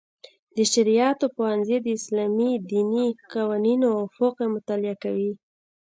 د شرعیاتو پوهنځی د اسلامي دیني قوانینو او فقه مطالعه کوي.